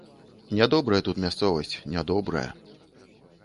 Нядобрая тут мясцовасць, нядобрая!